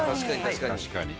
確かに。